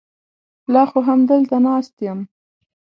لا خو همدلته ناست یم.